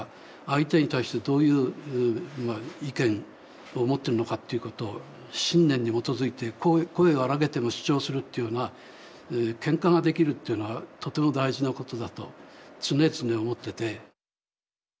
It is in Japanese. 相手に対してどういう意見を持ってるのかっていうことを信念に基づいて声を荒げても主張するっていうのはけんかができるっていうのはとても大事なことだと常々思ってて。